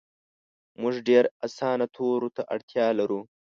مونږ ډیر اسانه تورو ته اړتیا لرو